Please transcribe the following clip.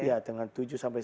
iya dengan tujuh sampai